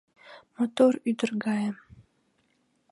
Мотор ӱдыр гае.